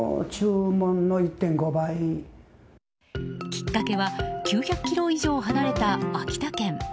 きっかけは９００ｋｍ以上離れた秋田県。